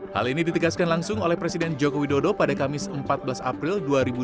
hal ini ditegaskan langsung oleh presiden joko widodo pada kamis empat belas april dua ribu dua puluh